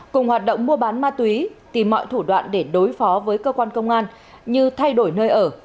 cùng hoạt động mua bán ma túy tìm mọi thủ đoạn để đối phó với cơ quan công an như thay đổi nơi ở